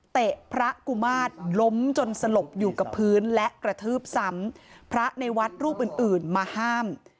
พระกุมาตรล้มจนสลบอยู่กับพื้นและกระทืบซ้ำพระในวัดรูปอื่นอื่นมาห้าม